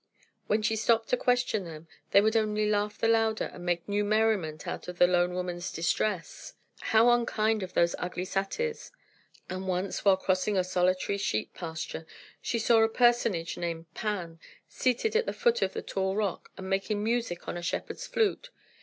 When she stopped to question them, they would only laugh the louder and make new merriment out of the lone woman's distress. How unkind of those ugly satyrs! And once, while crossing a solitary sheep pasture, she saw a personage named Pan, seated at the foot of a tall rock and making music on a shepherd's flute.